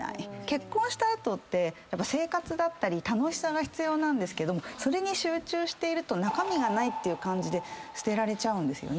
結婚した後って生活だったり楽しさが必要なんですけどもそれに集中していると中身がないっていう感じで捨てられちゃうんですよね。